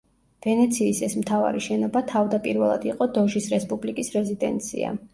ვენეციის ეს მთავარი შენობა თავდაპირველად იყო დოჟის რესპუბლიკის რეზიდენცია.